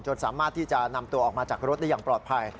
สามารถที่จะนำตัวออกมาจากรถได้อย่างปลอดภัย